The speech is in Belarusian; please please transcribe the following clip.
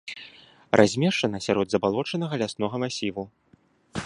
Размешчана сярод забалочанага ляснога масіву.